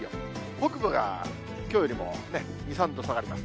北部がきょうよりも２、３度下がります。